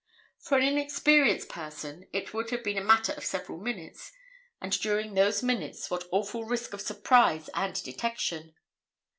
For an inexperienced person it would have been a matter of several minutes, and during those minutes what awful risk of surprise and detection.